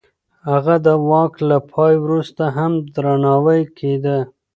هغه د واک له پای وروسته هم درناوی کېده.